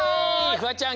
フワちゃん